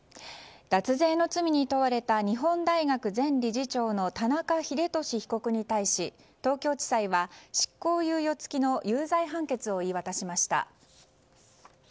脱税の罪に問われた日本大学前理事長の田中英寿被告に対し東京地裁は執行猶予付きの有罪判決を言い渡しました。